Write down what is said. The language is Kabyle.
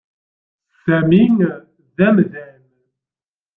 Sami d amdan.